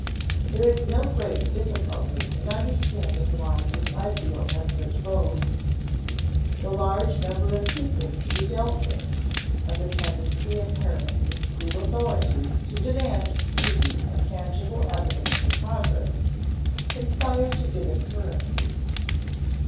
There is no great difficulty in understanding why this ideal has such vogue. The large number of pupils to be dealt with, and the tendency of parents and school authorities to demand speedy and tangible evidence of progress, conspire to give it currency.